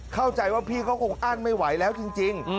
เข้าใจว่าพี่เขาคงอั้นไม่ไหวแล้วจริง